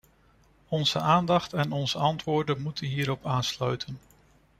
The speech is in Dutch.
Onze aandacht en onze antwoorden moeten hierop aansluiten.